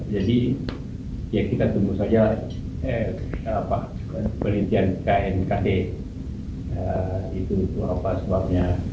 jadi kita tunggu saja penelitian knkd itu apa sebabnya